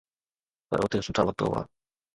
پر اتي سٺا وقت هئا.